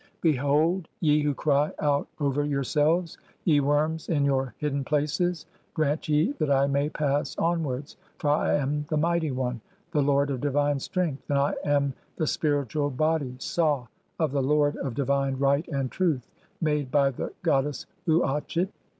Behold, ye who cry out over yourselves, ye worms in "[your] hidden places, grant ye that I may pass onwards, (16) "for I am the mighty one, the lord of divine strength, and I "am the spiritual body (sah) of the lord of divine right and "truth made by the goddess Uatchit.